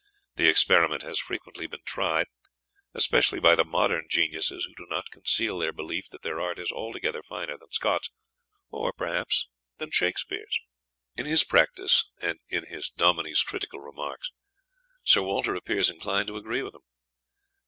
The experiment has frequently been tried, especially by the modern geniuses who do not conceal their belief that their art is altogether finer than Scott's, or, perhaps, than Shakspeare's. In his practice, and in his Dominie's critical remarks, Sir Walter appears inclined to agree with them.